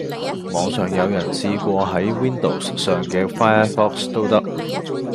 網上有人試過喺 Windows 上既 Firefox 都得